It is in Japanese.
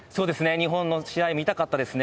日本の試合、見たかったですね。